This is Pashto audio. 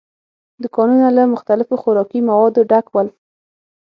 دوکانونه له مختلفو خوراکي موادو ډک ول.